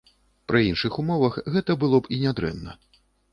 Пры іншых умовах гэта было б і нядрэнна.